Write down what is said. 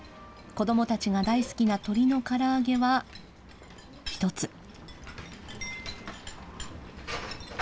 子どもたちが大好きな鶏のから揚げは、１つ。